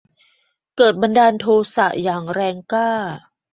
เกิดบันดาลโทสะอย่างแรงกล้า